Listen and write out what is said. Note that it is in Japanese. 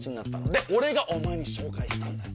で俺がお前に紹介したんだよ。